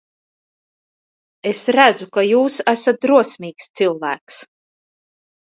Es redzu, ka jūs esat drosmīgs cilvēks.